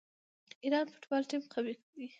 د ایران فوټبال ټیم قوي دی.